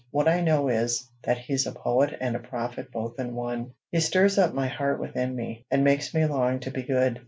What I know is, that he's a poet and a prophet both in one. He stirs up my heart within me, and makes me long to be good.